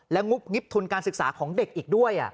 และงุบงิบทุนการศึกษาของเด็กอีกด้วย